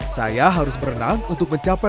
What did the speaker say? saya harus berenang untuk mencapai